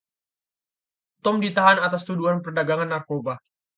Tom ditahan atas tuduhan perdagangan narkoba.